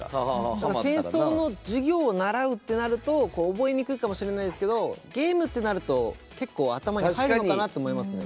だから戦争の授業を習うってなると覚えにくいかもしれないですけどゲームってなると結構頭に入るのかなと思いますね。